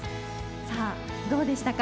さあどうでしたか？